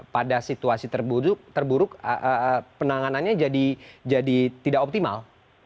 pada situasi terburuk penanganannya jadi tidak optimal